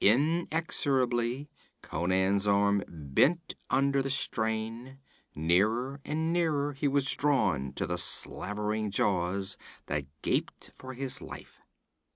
Inexorably Conan's arm bent under the strain; nearer and nearer he was drawn to the slavering jaws that gaped for his life.